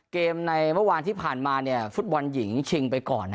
ในเมื่อวานที่ผ่านมาฟุตบอลหญิงชิงไปก่อน